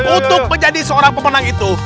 untuk menjadi seorang pemenang itu